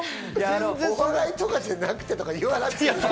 お笑いとかじゃなくてとか言わなくていい。